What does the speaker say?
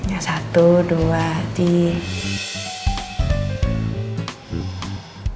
ya satu dua tiga